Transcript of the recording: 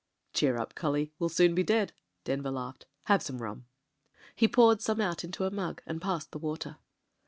"Cheer up! cully, we'll soon be dead." Denver laughed. "Have some rum." He poured some out into a mug and passed the water.